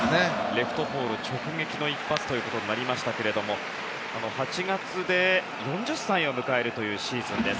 レフトポール直撃の一発となりましたけども８月で４０歳を迎えるというシーズンです。